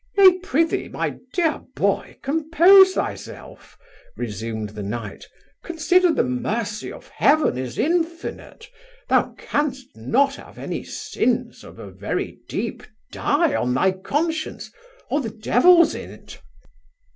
'Nay, pr'ythee, my dear boy, compose thyself (resumed the knight); consider the mercy of heaven is infinite; thou can'st not have any sins of a very deep dye on thy conscience, or the devil's in't.